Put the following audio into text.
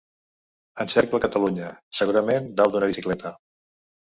Encercla Catalunya, segurament dalt d'una bicicleta.